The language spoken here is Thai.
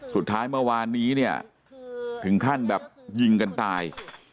สุดท้ายเมื่อวานนี้เนี่ยถึงขั้นแบบยิงกันตาย